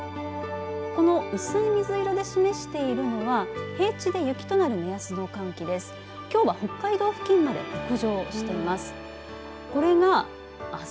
この薄い水色で示しているのは平地で雪となる目安の寒気です。